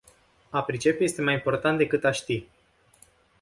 A pricepe este mai important decât a ști.